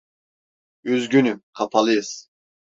Üzgünüm, kapalıyız.